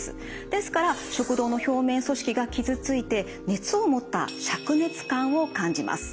ですから食道の表面組織が傷ついて熱を持ったしゃく熱感を感じます。